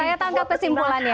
saya tangkap kesimpulannya